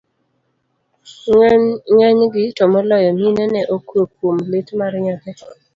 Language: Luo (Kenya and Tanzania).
ng'enygi, to moloyo mine ne okwe kuom lit mar nyathi